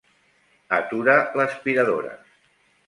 Atura l'aspiradora.